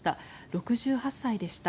６８歳でした。